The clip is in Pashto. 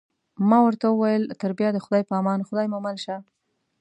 ما ورته وویل: تر بیا د خدای په امان، خدای مو مل شه.